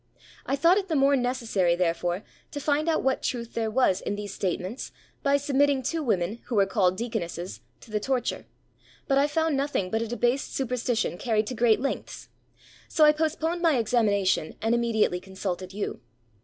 I thought it the more necessary, therefore, to find out what truth there was in these statements by submitting two women, who were called deaconesses, to the torture, but I found nothing but a debased superstition carried to great lengths. So I postponed my examination, and immediately consulted you.